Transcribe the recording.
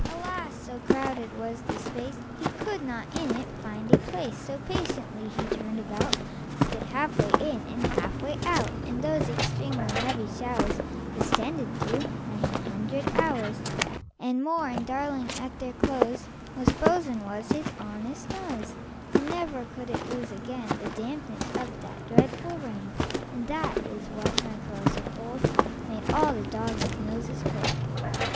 Alas! So crowded was the space He could not in it find a place; So, patiently, he turned about, Stood half way in, and half way out, And those extremely heavy showers Descended through nine hundred hours And more; and, darling, at their close Most frozen was his honest nose; And never could it lose again The dampness of that dreadful rain. And that is what, my curls of gold, Made all the doggies' noses cold.